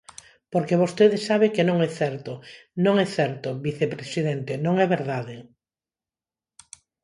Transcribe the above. Porque vostede sabe que non é certo, non é certo, vicepresidente, non é verdade.